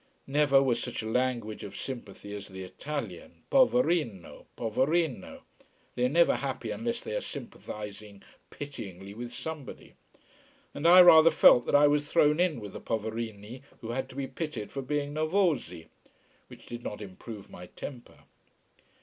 Never was such a language of sympathy as the Italian. Poverino! Poverino! They are never happy unless they are sympathising pityingly with somebody. And I rather felt that I was thrown in with the poverini who had to be pitied for being nervosi. Which did not improve my temper.